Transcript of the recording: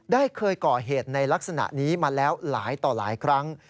เคยก่อเหตุในลักษณะนี้มาแล้วหลายต่อหลายครั้ง